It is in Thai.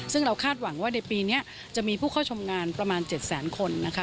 ซึ่งเราคาดหวังว่าในปีนี้จะมีผู้เข้าชมงานประมาณ๗แสนคนนะคะ